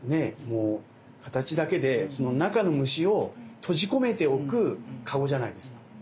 もう形だけでその中の虫を閉じ込めておくかごじゃないですか。